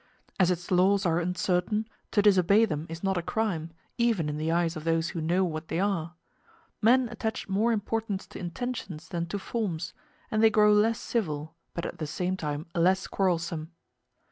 As its laws are uncertain, to disobey them is not a crime, even in the eyes of those who know what they are; men attach more importance to intentions than to forms, and they grow less civil, but at the same time less quarrelsome.